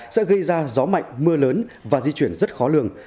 sẽ gây ra gió mạnh mưa lớn và di chuyển rất khó lường